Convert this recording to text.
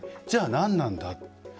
じゃあ、なんなんだ。